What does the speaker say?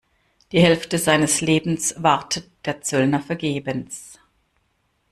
Die Hälfte seines Lebens wartet der Zöllner vergebens.